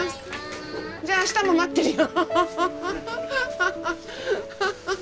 じゃあ明日も待ってるよ。